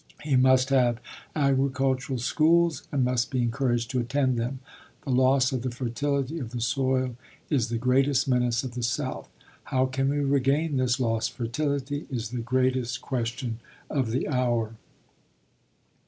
He must have agricultural schools and must be encouraged to attend them. The loss of the fertility of the soil is the greatest menace of the South. How can we regain this lost fertility is the greatest question of the hour.